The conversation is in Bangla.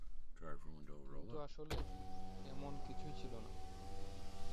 কিন্তু আসলে এমন কিছুই ছিল না।